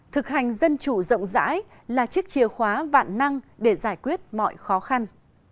thực hành dân chủ rộng rãi là chiếc chìa khóa vạn năng để giải quyết mọi khó khăn